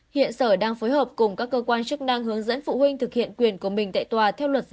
hiện sở đang phối hợp cùng các cơ quan chức năng hướng dẫn phụ huynh thực hiện quyền của mình tại tòa theo luật